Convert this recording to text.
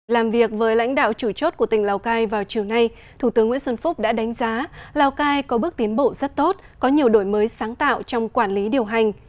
làm việc với lãnh đạo chủ chốt của tỉnh lào cai vào chiều nay thủ tướng nguyễn xuân phúc đã đánh giá lào cai có bước tiến bộ rất tốt có nhiều đổi mới sáng tạo trong quản lý điều hành